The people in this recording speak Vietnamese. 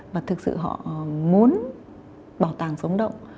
và thực sự họ muốn bảo tàng sống động